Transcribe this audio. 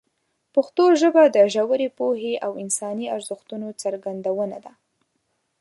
پښتو ژبه د ژورې پوهې او انساني ارزښتونو څرګندونه ده.